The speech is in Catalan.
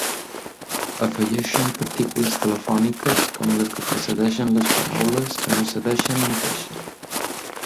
Afegeixen partícules telefòniques com les que precedeixen les paraules que no cedeixen ni deixen.